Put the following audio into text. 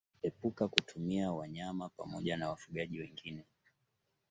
Epuka kutumia wanyama pamoja na wafugaji wengine